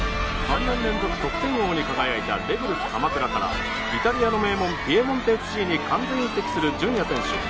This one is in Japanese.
３年連続得点王に輝いたレグルス鎌倉からイタリアの名門ピエモンテＦＣに完全移籍する純也選手。